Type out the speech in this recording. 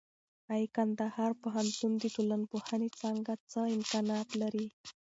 اې کندهار پوهنتون کې د ټولنپوهنې څانګه څه امکانات لري؟